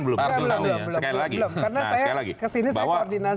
belum pernah ditahuinya sekali lagi